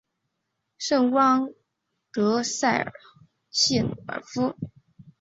圣乌昂德塞谢鲁夫尔。